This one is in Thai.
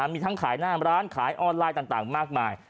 มีทั้งขายหน้าร้านมาหรือขายออนไลน์มากมาก